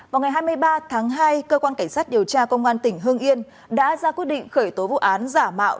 vào ngày hai mươi ba tháng hai cơ quan cảnh sát điều tra công an tỉnh hương yên đã ra quyết định khởi tố vụ án giả mạo